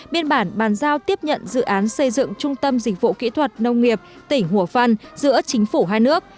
biên bản bàn giao tiếp nhận dự án xây dựng trung tâm dịch vụ kỹ thuật nông nghiệp tỉnh hủa phăn giữa chính phủ hai nước